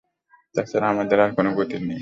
তাছাড়া আমাদের আর কোন গতি নেই।